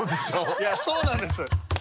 いやそうなんです。